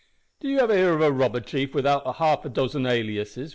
Did you ever hear of a robber chief without half a dozen aliases?"